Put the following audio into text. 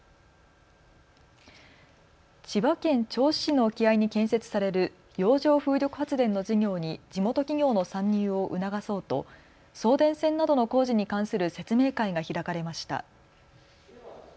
千葉県銚子市の沖合に建設される洋上風力発電の事業に地元企業の参入を促そうと送電線などの工事に関する説明会が開かれました。